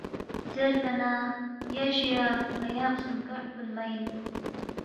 زیربا نہ یا جُو یا ن٘یا خسومکا ہرکُونمہ اِن